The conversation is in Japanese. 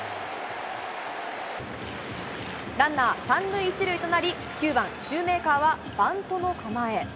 ランナー３塁１塁となり、９番シューメーカーはバントの構え。